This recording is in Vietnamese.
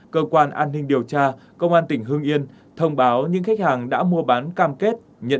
cơ quan an ninh điều tra công an tỉnh hương yên thông báo những khách hàng đã mua bán cam kết nhận